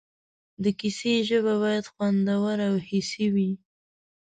د کیسې ژبه باید خوندوره او حسي وي.